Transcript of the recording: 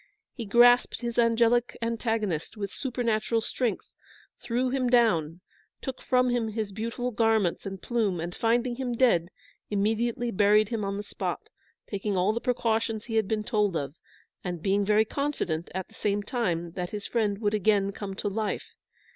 He grasped his angelic antagonist with supernatural strength, threw him down, took from him his beautiful garments and plume, and finding him dead, immediately buried him on the spot, taking all the precautions he had been told of, and being very confident, at the same time, that his friend would again come to life.